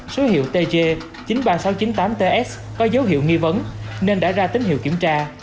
số hiệu tg chín mươi ba nghìn sáu trăm chín mươi tám ts có dấu hiệu nghi vấn nên đã ra tín hiệu kiểm tra